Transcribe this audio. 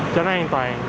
cho nó an toàn